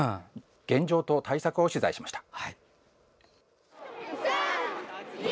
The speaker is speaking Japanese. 現状と対策を取材しました。